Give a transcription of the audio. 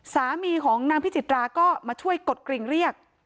สามีของนางพิจิตราก็มาช่วยกดกริ่งเรียก